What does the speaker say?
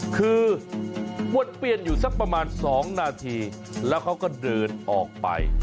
คือวนเปลี่ยนอยู่สักประมาณ๒นาทีแล้วเขาก็เดินออกไป